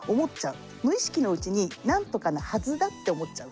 無意識のうちに何とかのはずだって思っちゃう。